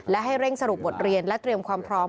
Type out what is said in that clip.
และให้เร่งสรุปบทเรียนและเตรียมความพร้อม